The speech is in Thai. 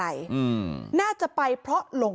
มีเรื่องอะไรมาคุยกันรับได้ทุกอย่าง